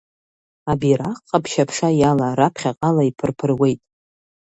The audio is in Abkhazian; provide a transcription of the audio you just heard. Абираҟ ҟаԥшь аԥша иала, раԥхьаҟала иԥырԥыруеит…